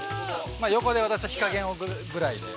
◆横で私は、火加減ぐらいで。